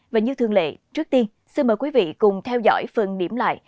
và như thường lệ trước tiên xin mời quý vị cùng theo dõi phần điểm lại